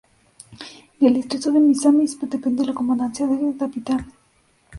Del distrito de Misamis depende la comandancia de Dapitan.